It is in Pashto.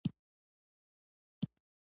ګرمو کسانو د نياوتون پرېکړه ومنله.